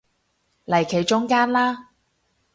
嚟企中間啦